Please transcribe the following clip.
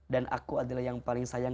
dan aku adalah yang paling sayang